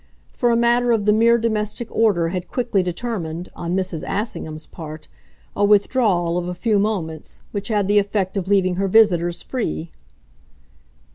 For a matter of the mere domestic order had quickly determined, on Mrs. Assingham's part, a withdrawal, of a few moments, which had the effect of leaving her visitors free.